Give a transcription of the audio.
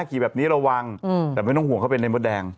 ขี่แบบนี้ระวังแต่ไม่ต้องห่วงเขาเป็นในมดแดง